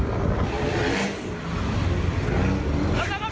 ติดตามผู้ต้องห่วงใสนะครับ